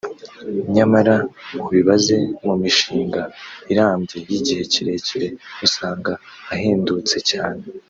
nyamara ubibaze mu mishinga irambye (y’igihe kirerkire) usanga ahendutse cyane